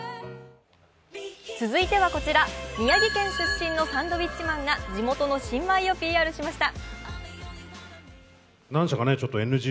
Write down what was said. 続いてはこちら、宮城県出身のサンドウィッチマンが、地元の新米をＰＲしました。